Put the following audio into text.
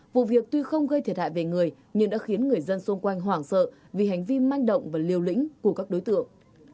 vụ việc tuy không gây thiệt hại về người nhưng đã khiến người dân xung quanh hoảng sợ vì hành vi manh động và liều lĩnh của các đối tượng